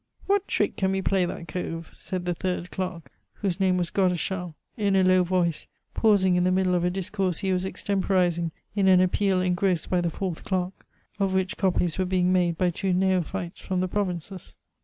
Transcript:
"What trick can we play that cove?" said the third clerk, whose name was Godeschal, in a low voice, pausing in the middle of a discourse he was extemporizing in an appeal engrossed by the fourth clerk, of which copies were being made by two neophytes from the provinces.